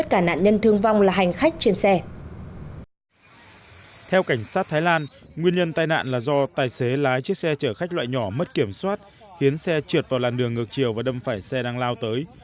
theo cảnh sát thái lan nguyên nhân tai nạn là do tài xế lái chiếc xe chở khách loại nhỏ mất kiểm soát khiến xe trượt vào làn đường ngược chiều và đâm phải xe đang lao tới